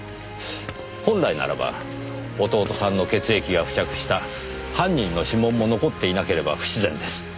本来ならば弟さんの血液が付着した犯人の指紋も残っていなければ不自然です。